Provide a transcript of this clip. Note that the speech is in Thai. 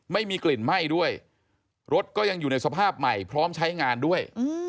ไม่มีกลิ่นไหม้ด้วยรถก็ยังอยู่ในสภาพใหม่พร้อมใช้งานด้วย